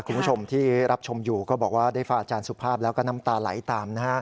คุณผู้ชมที่รับชมอยู่ก็บอกว่าได้ฟังอาจารย์สุภาพแล้วก็น้ำตาไหลตามนะฮะ